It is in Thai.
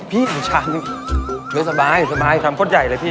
พี่อื่นชามตัวสบายชามก็เยอะเลยพี่